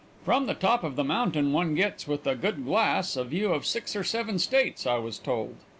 From the top of the mountain one gets, with a good glass, a view of six or seven states, I was told.